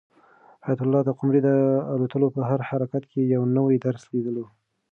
حیات الله د قمرۍ د الوتلو په هر حرکت کې یو نوی درس لیدلو.